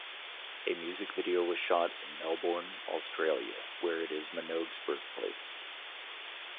A music video was shot in Melbourne, Australia, where it is Minogue's birthplace.